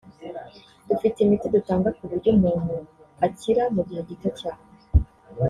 dufite imiti dutanga ku buryo umuntu akira mu gihe gito cyane”